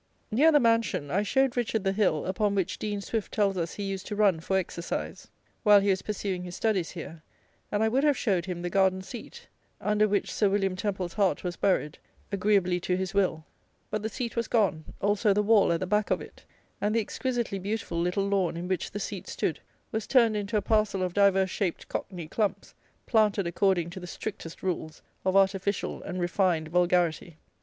Near the mansion, I showed Richard the hill, upon which Dean Swift tells us he used to run for exercise, while he was pursuing his studies here; and I would have showed him the garden seat, under which Sir William Temple's heart was buried, agreeably to his will; but the seat was gone, also the wall at the back of it; and the exquisitely beautiful little lawn in which the seat stood, was turned into a parcel of divers shaped cockney clumps, planted according to the strictest rules of artificial and refined vulgarity.